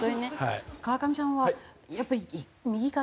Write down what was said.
川上さんはやっぱり右肩？